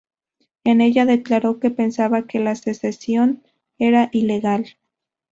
En ella declaró que pensaba que la secesión era ilegal.